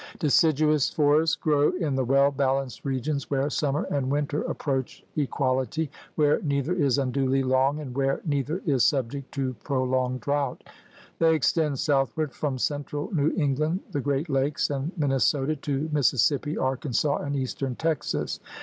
Deciduous forests grow in the well balanced regions where summer and winter approach equality, where neither is unduly long, and where neither is subject to prolonged drought. They extend southward from central New England, the Great Lakes, and Minnesota, to Mississippi, Arkansas, and eastern Texas.